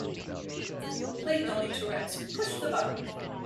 Play Donny Tourette's Push The Button